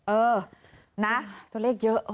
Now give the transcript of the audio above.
โอ้โหตัวเลขเยอะ